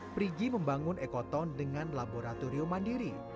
perigi membangun ekoton dengan laboratorium mandiri